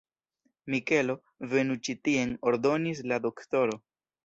Mikelo, venu ĉi tien! ordonis la doktoro.